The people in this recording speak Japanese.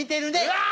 うわ！